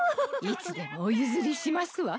いつでもお譲りしますわ。